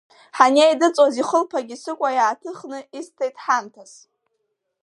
Ҳанеидыҵуаз ихылԥагьы сыкәа иааҭыхны исҭеит ҳамҭас.